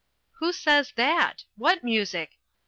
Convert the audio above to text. Who says that? What music?